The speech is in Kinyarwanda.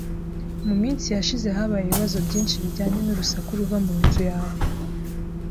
Mu minsi yashize habaye ibibazo byinshi bijyanye n’urusaku ruva mu nzu yawe.